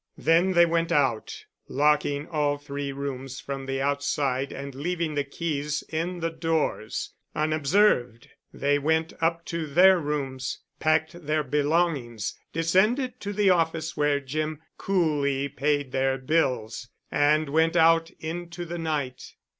Then they went out, locking all three rooms from the outside and leaving the keys in the doors. Unobserved, they went up to their rooms—packed their belongings, descended to the office where Jim coolly paid their bills, and went out into the night.